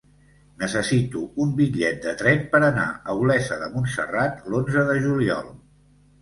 Necessito un bitllet de tren per anar a Olesa de Montserrat l'onze de juliol.